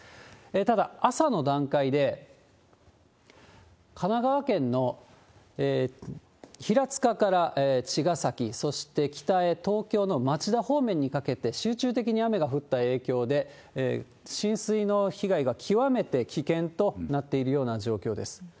ただ、朝の段階で神奈川県の平塚から茅ケ崎、そして北へ、東京の町田方面にかけて、集中的に雨が降った影響で、浸水の被害が極めて危険となっているような状況です。